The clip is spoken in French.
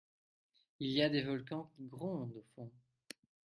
Il y a des volcans qui grondent au fond…